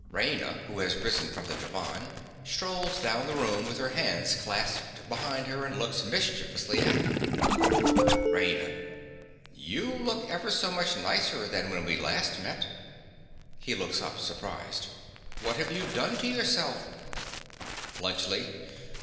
Raina, who has risen from the divan, strolls down the room with her hands clasped behind her, and looks mischievously at him._) RAINA. You look ever so much nicer than when we last met. (He looks up, surprised.) What have you done to yourself? BLUNTSCHLI.